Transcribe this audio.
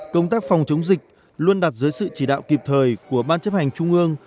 công tác phòng chống dịch luôn đặt dưới sự chỉ đạo kịp thời của ban chấp hành trung ương